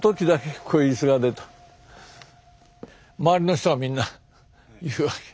周りの人はみんな言うわけ。